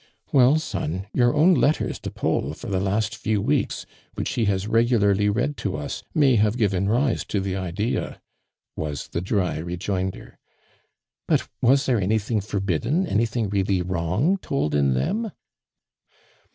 "Well, son, your own letters to Paul for the last few weeks, which he has regularly read to us, may have given rise to the idea," was the dry rejoinder. " But was there anything forbidden — any thing really wrong told in them?"